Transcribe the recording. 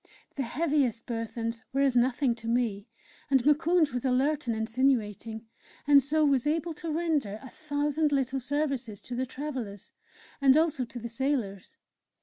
The heaviest burthens were as nothing to me, and Moukounj was alert and insinuating, and so was able to render a thousand little services to the travellers and also to the sailors.